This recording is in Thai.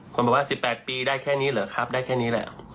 คนบอกว่า๑๘ปีได้แค่นี้เหรอครับได้แค่นี้แหละ